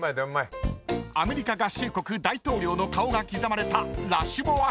［アメリカ合衆国大統領の顔が刻まれたラシュモア山］